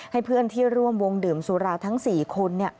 ให้เพื่อนที่ร่วมวงดื่มสุราทั้ง๔คน